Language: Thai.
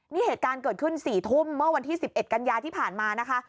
นี่เหตุการณ์เกิดขึ้น๔ทุ่มเมื่อวันที่๑๑กันยาที่ผ่านมานะคะ